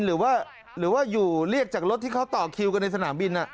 หรือว่าอยู่เรียกจากรถที่เขาต่อคิวกันในสนามบิน